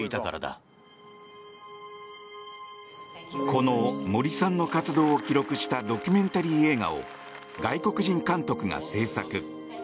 この、森さんの活動を記録したドキュメンタリー映画を外国人監督が制作。